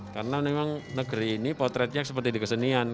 karena memang negeri ini potretnya seperti di kesenian